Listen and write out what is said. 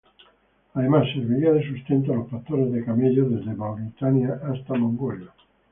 Además, serviría de sustento a los pastores de camellos, desde Mauritania hasta Mongolia.